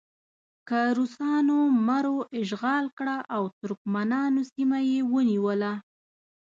که روسانو مرو اشغال کړه او ترکمنانو سیمه یې ونیوله.